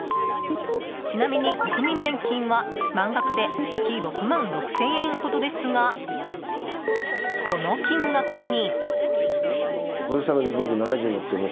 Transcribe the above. ちなみに、国民年金は満額で月６万６０００円ほどですがこの金額に。